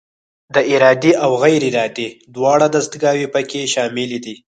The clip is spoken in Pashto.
دا ارادي او غیر ارادي دواړه دستګاوې پکې شاملې دي.